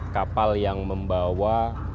kapal yang membawa